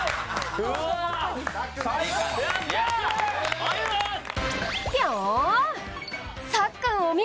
ありがとうございます！